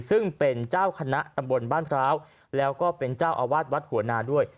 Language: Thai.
ซึ่งเป็นเจ้าคณะตำบลบ้านพร้าวแล้วก็เป็นเจ้าอาวาสวัดหัวนาด้วย